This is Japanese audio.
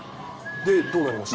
で、どうなりました？